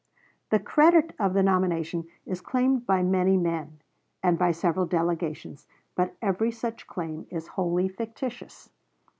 The credit of the nomination is claimed by many men, and by several delegations, but every such claim is wholly fictitious.